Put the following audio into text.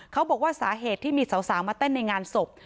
เขาบอกว่าสาเหตุที่มีสาวมาเต้นในงานศพ